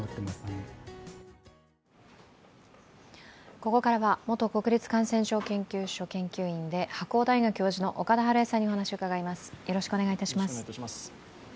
ここからは元国立感染症研究所研究員で白鴎大学教授の岡田晴恵さんにお話を伺います。